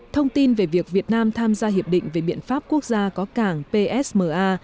thông tin về việc việt nam tham gia hiệp định về biện pháp quốc gia có cảng psma